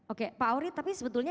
oke pak auri tapi sebetulnya